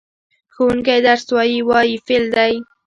ښوونکی درس وايي – "وايي" فعل دی.